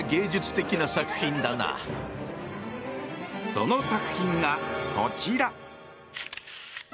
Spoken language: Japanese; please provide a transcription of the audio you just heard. その作品がこちら。